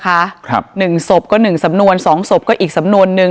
ครับหนึ่งศพก็หนึ่งสำนวนสองศพก็อีกสำนวนหนึ่ง